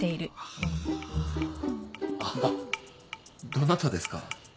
どなたですか？